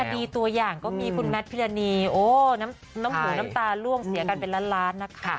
ดีตัวอย่างก็มีคุณแมทพิรณีโอ้น้ำหูน้ำตาล่วงเสียกันเป็นล้านล้านนะคะ